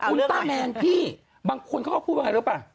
คุณต้าแมนพี่บางคนเขาก็พูดว่าไงรู้ป่ะ